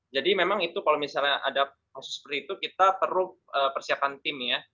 jadi memang itu kalau misalnya ada hal seperti itu kita perlu persiapan tim ya